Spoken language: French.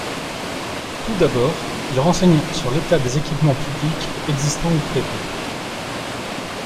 Tout d’abord, il renseigne sur l’état des équipements publics existants ou prévus.